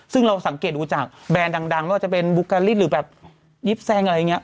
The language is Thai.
ซึ่งเราสังเกตดูจากแบรนด์ดังไม่ว่าจะเป็นบุการิตหรือแบบยิบแซงอะไรอย่างนี้